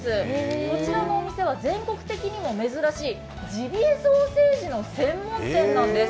こちらのお店は全国的にも珍しい、ジビエソーセージの専門店なんです。